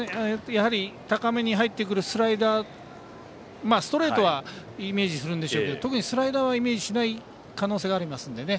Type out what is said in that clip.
高めに入ってくるストレートはイメージするんでしょうけど特にスライダーはイメージしない可能性がありますのでね。